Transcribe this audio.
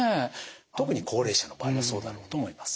特に高齢者の場合はそうだろうと思います。